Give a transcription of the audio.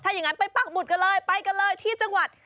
อย่างนั้นไปปักหมุดกันเลยไปกันเลยที่จังหวัด